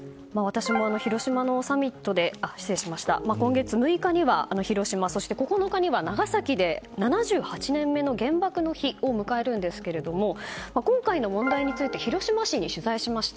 今月６日には広島９日には長崎で７８年目の原爆の日を迎えるんですけれども今回の問題について広島市に取材しました。